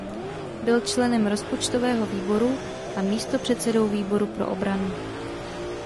Byl členem rozpočtového výboru a místopředsedou výboru pro obranu.